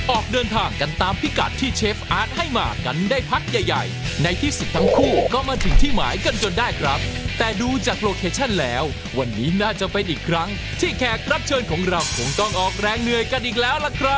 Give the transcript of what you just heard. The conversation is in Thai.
ออกเดินทางกันตามพิกัดที่เชฟอาร์ตให้มากันได้พักใหญ่ใหญ่ในที่สุดทั้งคู่ก็มาถึงที่หมายกันจนได้ครับแต่ดูจากโลเคชั่นแล้ววันนี้น่าจะเป็นอีกครั้งที่แขกรับเชิญของเราคงต้องออกแรงเหนื่อยกันอีกแล้วล่ะครับ